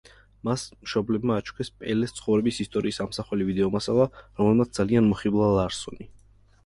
მას მშობლებმა აჩუქეს პელეს ცხოვრების ისტორიის ამსახველი ვიდეომასალა, რომელმაც ძალიან მოხიბლა ლარსონი.